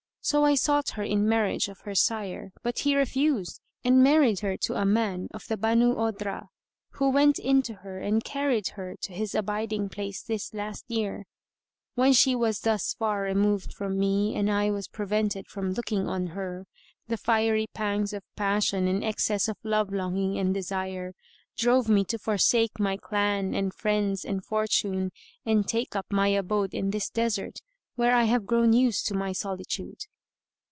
So I sought her in marriage of her sire, but he refused and married her to a man of the Banu Odhrah, who went in to her and carried her to his abiding place this last year. When she was thus far removed from me and I was prevented from looking on her, the fiery pangs of passion and excess of love longing and desire drove me to forsake my clan[FN#135] and friends and fortune and take up my abode in this desert, where I have grown used to my solitude."